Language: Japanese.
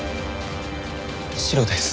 白です。